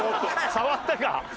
触ったか？